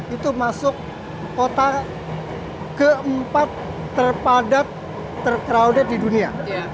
itu masuk kota keempat terpadat tercrowded di dunia